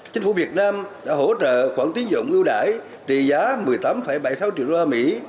chính phủ việt nam đã hỗ trợ khoản tiến dụng ưu đại trị giá một mươi tám bảy mươi sáu triệu đô la mỹ